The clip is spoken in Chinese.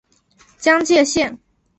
江界线